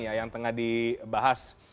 yang tengah dibahas